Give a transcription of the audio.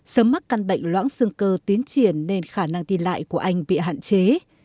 sớm mắc căn bệnh loãng xương cơ tiến triển nên khả năng đi lại của anh bị hạn chế